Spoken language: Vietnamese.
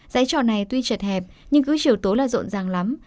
giải trò này tuy chật hẹp nhưng cứ chiều tố là rộn ràng lắm